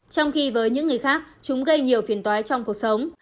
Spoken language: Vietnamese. trong khi với những người khác chúng gây nhiều phiền toái trong cuộc sống